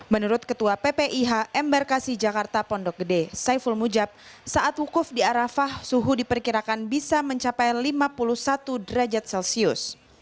menurut ketua ppih embarkasi jakarta pondok gede saiful mujab saat wukuf di arafah suhu diperkirakan bisa mencapai lima puluh satu derajat celcius